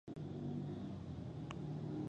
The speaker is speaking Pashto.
عمه مې ډېرې خوږې د تناره کلچې او بوسراغې